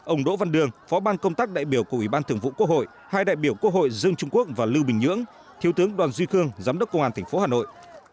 ông đỗ văn đường phó ban công tác đại biểu của ủy ban thường vụ quốc hội hai đại biểu quốc hội dương trung quốc và lưu bình nhưỡng thiếu tướng đoàn duy khương giám đốc công an tp hà nội